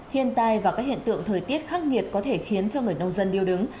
hiện tại và các hiện tượng thời tiết khắc nghiệt có thể khiến cho người nông dân điêu đứng